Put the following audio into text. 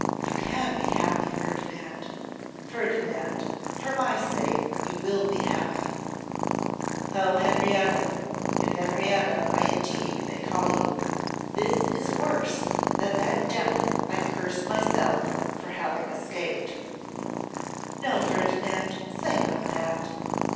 you can be happy, Ferdinand; Ferdinand, for my sake you will be happy.' 'O Henrietta, if Henrietta I indeed may call you, this is worse than that death I curse myself for having escaped.' 'No, Ferdinand, say not that.